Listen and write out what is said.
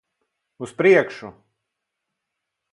Uz priekšu!